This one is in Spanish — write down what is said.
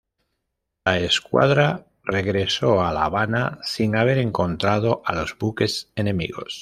La escuadra regresó a La Habana sin haber encontrado a los buques enemigos.